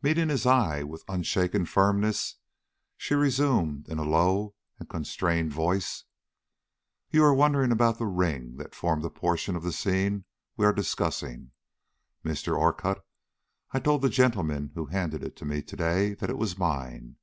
Meeting his eye with unshaken firmness, she resumed, in a low and constrained voice: "You are wondering about the ring that formed a portion of the scene we are discussing. Mr. Orcutt, I told the gentleman who handed it to me to day that it was mine.